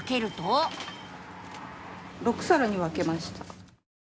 ・６さらに分けました。